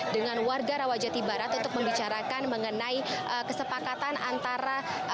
dengan warga rawajati barat untuk membicarakan mengenai kesepakatan antara